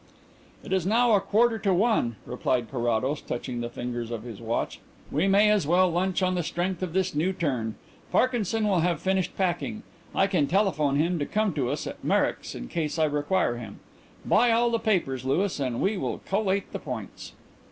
"It is now a quarter to one," replied Carrados, touching the fingers of his watch. "We may as well lunch on the strength of this new turn. Parkinson will have finished packing; I can telephone him to come to us at Merrick's in case I require him. Buy all the papers, Louis, and we will collate the points."